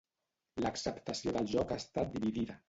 L'acceptació del joc ha estat dividida.